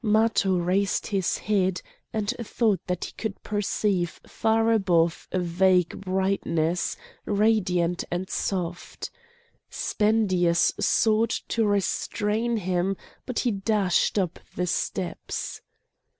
Matho raised his head, and thought that he could perceive far above a vague brightness, radiant and soft. Spendius sought to restrain him, but he dashed up the steps.